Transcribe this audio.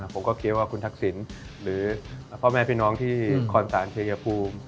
ผมก็คิดว่าคุณทักษิณหรือพ่อแม่พี่น้องที่คอนศาลชายภูมิ